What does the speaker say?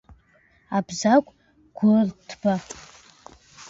Абзагә Гәырҭба.